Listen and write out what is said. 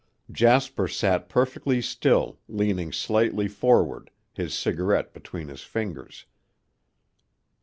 Jasper sat perfectly still, leaning slightly forward, his cigarette between his fingers.